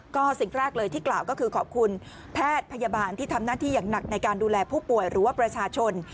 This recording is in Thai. ก็สิ่งแรกเลยที่กล่าวก็คือขอบคุณแพทย์พยาบาลที่ทำหน้าที่อย่างหนักในการดูแลผู้ป่วยหรือว่าประชาชน